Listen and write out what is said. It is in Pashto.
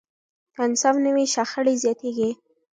که انصاف نه وي، شخړې زیاتېږي.